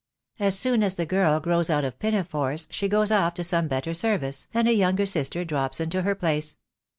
As soon as the girl grows out of pinafores she goes off to some better service, and a younger sister drops into her place."